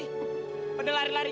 kita kasih tahu kak adlian yuk